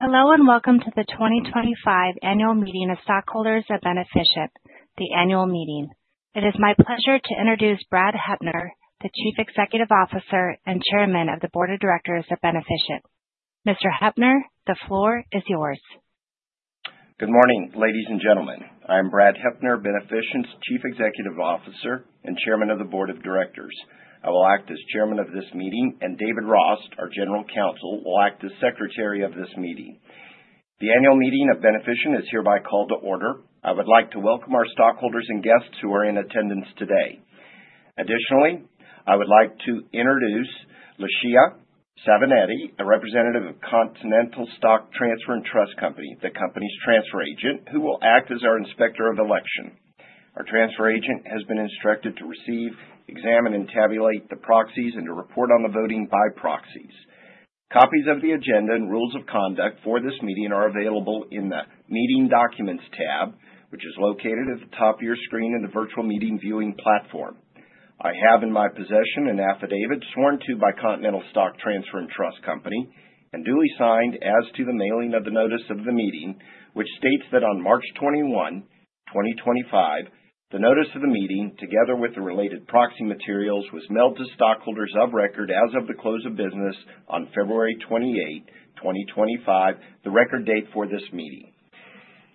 Hello, and welcome to the 2025 Annual Meeting of Stockholders of Beneficient, the Annual Meeting. It is my pleasure to introduce Brad Heppner, the Chief Executive Officer and Chairman of the Board of Directors of Beneficient. Mr. Heppner, the floor is yours. Good morning, ladies and gentlemen. I am Brad Heppner, Beneficient's Chief Executive Officer and Chairman of the Board of Directors. I will act as Chairman of this meeting, and David Rost, our General Counsel, will act as Secretary of this meeting. The Annual Meeting of Beneficient is hereby called to order. I would like to welcome our stockholders and guests who are in attendance today. Additionally, I would like to introduce Leicia Savinetti, a representative of Continental Stock Transfer and Trust Company, the company's transfer agent, who will act as our Inspector of Election. Our transfer agent has been instructed to receive, examine, and tabulate the proxies, and to report on the voting by proxies. Copies of the agenda and rules of conduct for this meeting are available in the Meeting Documents tab, which is located at the top of your screen in the virtual meeting viewing platform. I have in my possession an affidavit sworn to by Continental Stock Transfer and Trust Company, and duly signed as to the mailing of the notice of the meeting, which states that on March 21, 2025, the notice of the meeting, together with the related proxy materials, was mailed to stockholders of record as of the close of business on February 28, 2025, the record date for this meeting.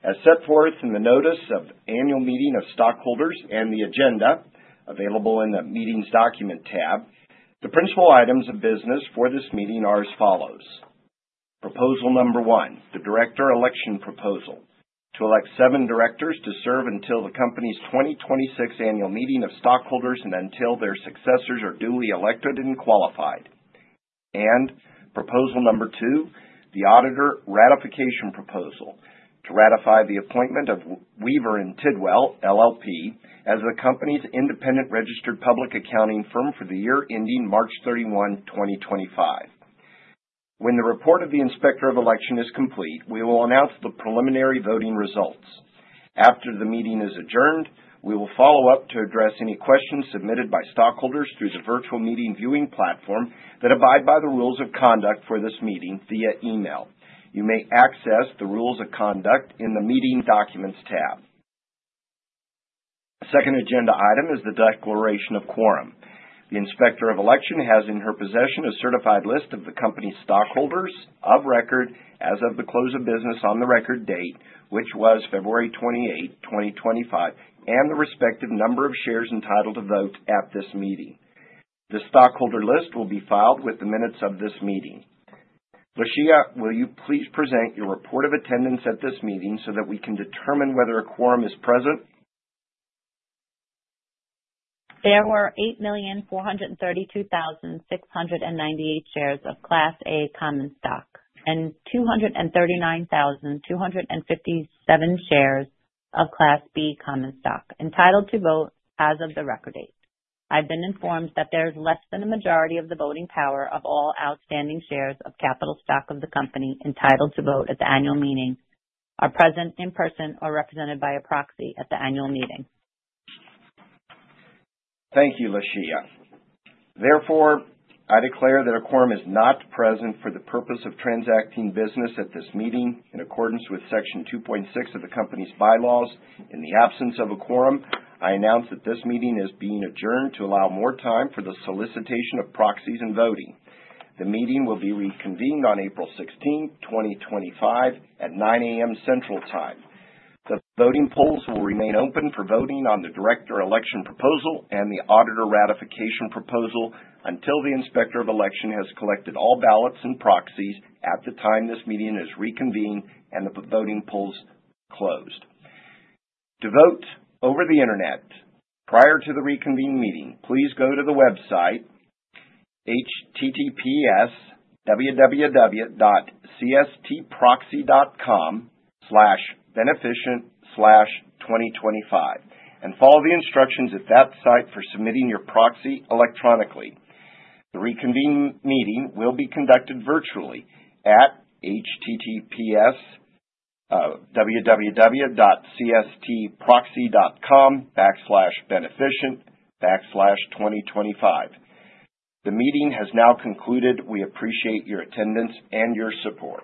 As set forth in the Notice of Annual Meeting of Stockholders and the Agenda, available in the Meeting's Document tab, the principal items of business for this meeting are as follows: Proposal number one, the Director Election Proposal, to elect seven directors to serve until the company's 2026 Annual Meeting of Stockholders and until their successors are duly elected and qualified. Proposal number two, the Auditor Ratification Proposal, to ratify the appointment of Weaver & Tidwell, LLP, as the company's independent registered public accounting firm for the year ending March 31, 2025. When the report of the Inspector of Election is complete, we will announce the preliminary voting results. After the meeting is adjourned, we will follow up to address any questions submitted by stockholders through the virtual meeting viewing platform that abide by the rules of conduct for this meeting via email. You may access the rules of conduct in the Meeting Documents tab. The second agenda item is the Declaration of Quorum. The Inspector of Election has in her possession a certified list of the company's stockholders of record as of the close of business on the record date, which was February 28, 2025, and the respective number of shares entitled to vote at this meeting. The stockholder list will be filed with the minutes of this meeting. Leicia, will you please present your report of attendance at this meeting so that we can determine whether a quorum is present? There were 8,432,698 shares of Class A common stock and 239,257 shares of Class B common stock entitled to vote as of the record date. I've been informed that there is less than a majority of the voting power of all outstanding shares of capital stock of the company entitled to vote at the Annual Meeting are present in person or represented by a proxy at the Annual Meeting. Thank you, Leicia. Therefore, I declare that a quorum is not present for the purpose of transacting business at this meeting in accordance with Section 2.6 of the company's bylaws. In the absence of a quorum, I announce that this meeting is being adjourned to allow more time for the solicitation of proxies and voting. The meeting will be reconvened on April 16, 2025, at 9:00 A.M. Central Time. The voting polls will remain open for voting on the Director Election Proposal and the Auditor Ratification Proposal until the Inspector of Election has collected all ballots and proxies at the time this meeting is reconvened and the voting polls closed. To vote over the internet prior to the reconvened meeting, please go to the website https://cstproxy.com/beneficient/2025 and follow the instructions at that site for submitting your proxy electronically. The reconvened meeting will be conducted virtually at https://cstproxy.com/beneficient/2025. The meeting has now concluded. We appreciate your attendance and your support.